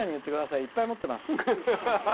いっぱい持ってます。